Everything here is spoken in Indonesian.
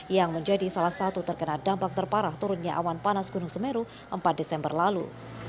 yang menjadi salah satu terkena dampak terparah turunnya awan panas gunung semeru empat desember lalu